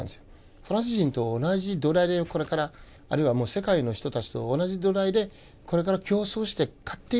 フランス人と同じ土台でこれからあるいは世界の人たちと同じ土台でこれから競争して勝っていくっていうところ。